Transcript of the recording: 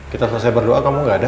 kita selesai berdoa kamu gak ada